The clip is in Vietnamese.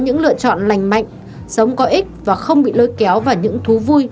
những lựa chọn lành mạnh sống có ích và không bị lôi kéo vào những thú vui